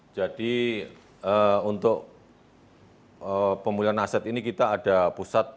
jadi untuk pemulihan aset ini kita ada pusat